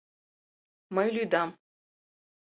Мый лӱдам».